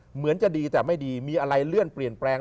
เหมือนจะดีแต่ไม่ดีมีอะไรเลื่อนเปลี่ยนแปลง